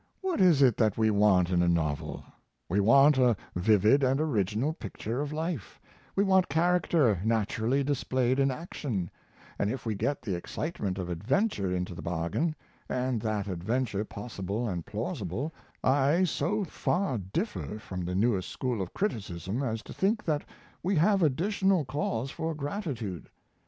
What is it that we want in a novel? We want a vivid and original picture of life; we want character naturally displayed in action; and if we get the excitement of adventure into the bargain, and that adventure possible and plausible, I so far differ from the newest school of criticism as to think that we have additional cause for gratitude.